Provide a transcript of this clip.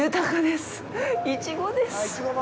イチゴです。